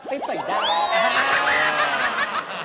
ไปสลีทดอท